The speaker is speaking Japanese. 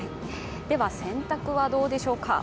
では洗濯はどうでしょうか。